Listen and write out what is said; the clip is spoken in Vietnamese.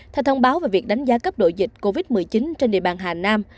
theo thông báo về việc đánh giá cấp độ dịch covid một mươi chín trên địa bàn hà nam